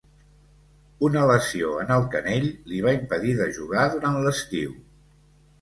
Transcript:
Una lesió en el canell li va impedir de jugar durant l'estiu.